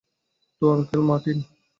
তো, uncle Martin.